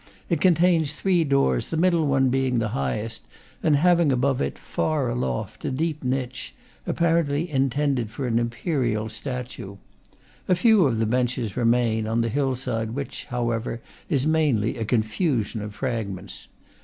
It contains three doors, the middle one being the highest, and having above it, far aloft, a deep niche, apparently intended for an imperial statue. A few of the benches remain on the hillside which, however, is mainly a confusion of fragments.